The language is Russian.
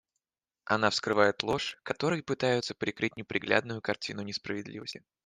Она вскрывает ложь, которой пытаются прикрыть неприглядную картину несправедливости.